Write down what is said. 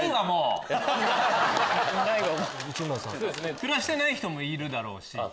暮らしてない人もいるだろうし。